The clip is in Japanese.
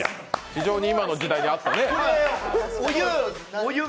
非常に今の時代に合っている。